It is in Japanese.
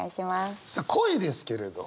さあ恋ですけれど。